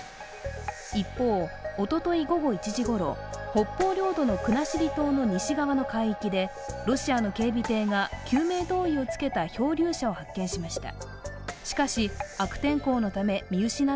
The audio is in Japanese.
一方、おととい午後１時ごろ、北方領土の国後島の西側の海域でロシアの警備艇が救命胴衣を着けた漂流者を発見しました。